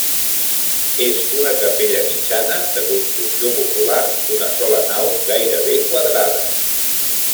És una capella mitjana, de construcció popular, d'una sola nau gairebé quadrada.